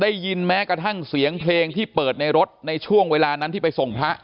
ได้ยินแม้กระทั่งเสียงเพลงที่เปิดในรถในช่วงเวลานั้นที่ไปส่งพระ